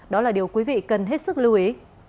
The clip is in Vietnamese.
đó là điều quý vị cần hết sức lưu ý